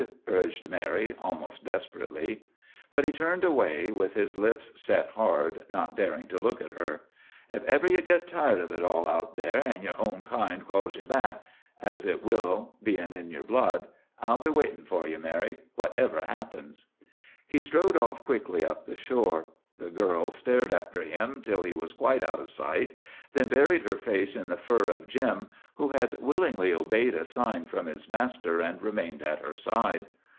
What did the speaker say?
urged Mary almost desperately. But he turned away, with his lips set hard, not daring to look at her. "Ef ever ye git tired of it all out there, an' yer own kind calls ye back—as it will, bein' in yer blood—I'll be waitin' for ye, Mary, whatever happens." He strode off quickly up the shore. The girl stared after him till he was quite out of sight, then buried her face in the fur of Jim, who had willingly obeyed a sign from his master and remained at her side.